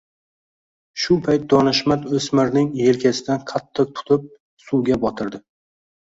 Shu payt donishmand oʻsmirning yelkasidan qattiq tutib, suvga botirdi